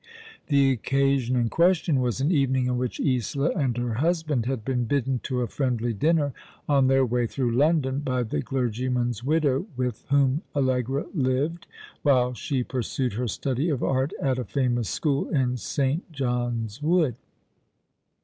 The occasion in question was an evening in which Isola and her husband had been bidden to a friendly dinner, on their way through London, by the clergyman's widow with whom Allegra lived while she pursued her study of art at a famous school in St. John's Wood.